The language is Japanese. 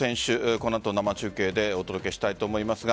この後、生中継でお届けしたいと思いますが。